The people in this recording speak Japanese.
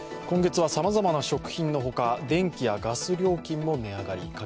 今月はさまざまな食品のほか電気やガス料金も値上がり。